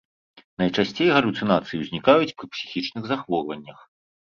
Найчасцей галюцынацыі ўзнікаюць пры псіхічных захворваннях.